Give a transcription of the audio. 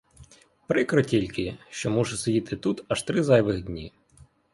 Прикро тільки, що мушу сидіти тут аж три зайвих дні.